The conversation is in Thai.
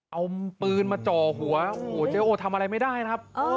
เอาปืนมาจ่อหัวโอ้โหเจ๊โอทำอะไรไม่ได้ครับ